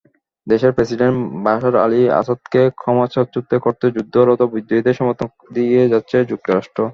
দেশটির president Bashar আল-আসাদকে ক্ষমতাচ্যুত করতে যুদ্ধরত বিদ্রোহীদের সমর্থন দিয়ে যাচ্ছে যুক্তরাষ্ট্র।